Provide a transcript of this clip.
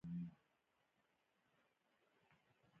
چې له امیر سره په سفر کې علما ملګري ول.